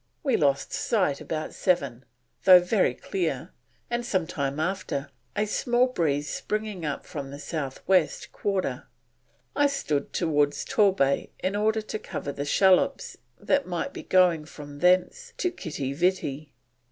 We lost sight about seven, though very clear, and sometime after a small breeze springing up from the South West quarter, I stood towards Torbay in order to cover the shallops that might be going from thence to Kitty Vitty.